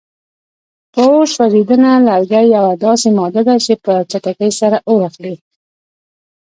په اور سوځېدنه: لرګي یوه داسې ماده ده چې په چټکۍ سره اور اخلي.